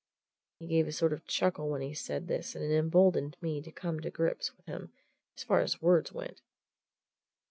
He gave a sort of chuckle when he said this, and it emboldened me to come to grips with him as far as words went.